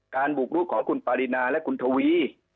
บุกรุกของคุณปารินาและคุณทวี